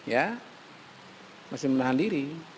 ya harus menahan diri